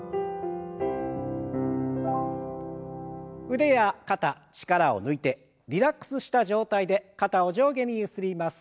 腕や肩力を抜いてリラックスした状態で肩を上下にゆすります。